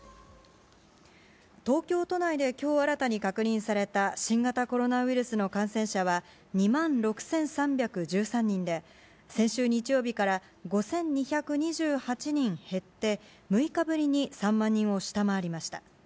東京都内できょう新たに確認された、新型コロナウイルスの感染者は、２万６３１３人で、先週日曜日から５２２８人減って、６日ぶりに３万人を下回りました。